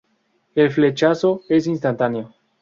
El flechazo es instantáneo.